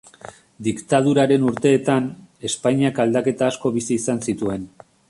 Diktaduraren urteetan, Espainiak aldaketa asko bizi izan zituen.